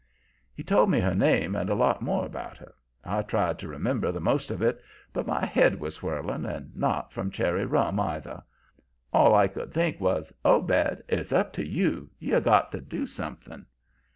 "He told me her name and a lot more about her. I tried to remember the most of it, but my head was whirling and not from cherry rum, either. All I could think was: 'Obed, it's up to you! You've got to do something.'